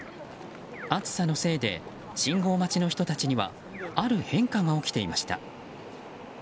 暑さのせいで信号待ちの人たちにはある変化が起きていました。